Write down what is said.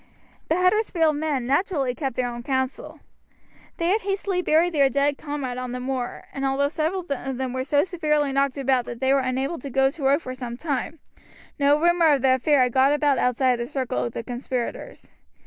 The Huddersfield men naturally kept their own council. They had hastily buried their dead comrade on the moor, and although several of them were so severely knocked about that they were unable to go to work for some time, no rumor of the affair got about outside the circle of the conspirators.